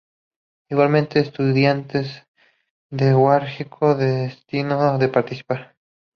Igualmente, Estudiantes de Guárico desistió de participar.